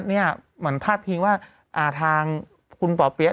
เหมือนพาดพิงว่าทางคุณป่อเปี๊ยก